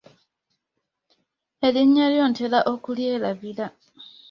Erinnya lyo ntera okulyerabira.